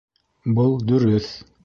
Был дөрөҫ.